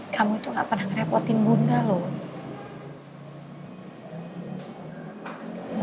kamu tuh gak pernah ngerepotin bunga loh